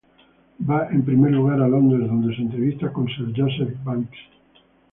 Va en primer lugar a Londres dónde se entrevista con Sir Joseph Banks.